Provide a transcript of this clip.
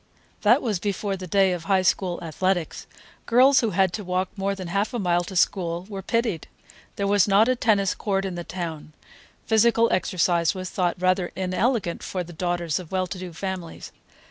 That was before the day of High School athletics. Girls who had to walk more than half a mile to school were pitied. There was not a tennis court in the town; physical exercise was thought rather inelegant for the daughters of well to do families.